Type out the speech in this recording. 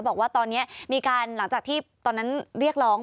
บอกว่าตอนนี้มีการหลังจากที่ตอนนั้นเรียกร้อง